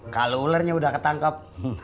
kalo ulernya udah ketangkep